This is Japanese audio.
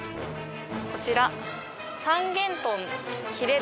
こちら。